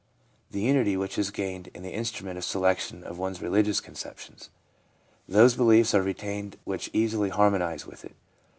The unity which is gained is ADULT LIFE— BELIEFS 315 the instrument of selection of one's religious conceptions. Those beliefs are retained which easily harmonise with it.